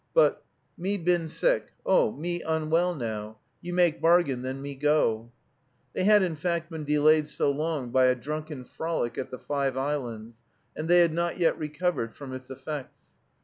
But "Me been sick. Oh, me unwell now. You make bargain, then me go." They had in fact been delayed so long by a drunken frolic at the Five Islands, and they had not yet recovered from its effects.